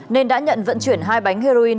nên đã nhận vận chuyển hai bánh heroin